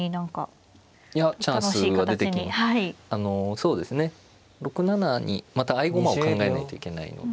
そうですね６七にまた合駒を考えないといけないので。